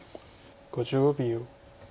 ５５秒。